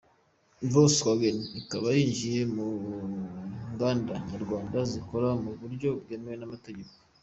Volkswagen ikaba yinjiye mu nganda nyarwanda zikora mu buryo bwemewe n’amategeko.